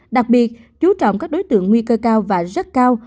đặc biệt chú trọng các đối tượng nguy cơ cao và rất cao